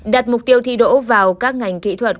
đặt mục tiêu thi đỗ vào các ngành kỹ thuật